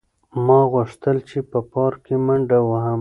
ما غوښتل چې په پارک کې منډه وهم.